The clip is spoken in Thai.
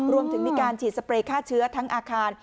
รวมถึงมีการฉีดสเปรย์ฆ่าเชื้อทั้งอาคาร